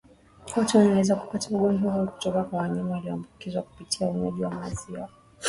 Watu wanaweza kupata ugonjwa huo kutoka kwa wanyama walioambukizwa kupitia unywaji wa maziwa yasiyochemshwa